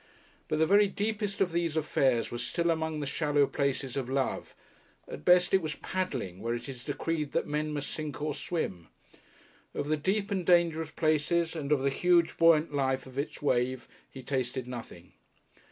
But the very deepest of these affairs was still among the shallow places of love; at best it was paddling where it is decreed that men must sink or swim. Of the deep and dangerous places, and of the huge buoyant lift of its waves, he tasted nothing.